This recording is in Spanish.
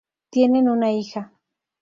Tienen una hija.